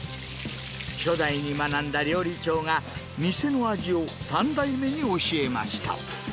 初代に学んだ料理長が、店の味を３代目に教えました。